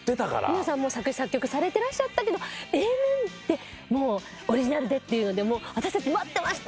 皆さんもう作詞作曲されてらっしゃったけどＡ面でオリジナルでっていうのでもう私たち待ってました！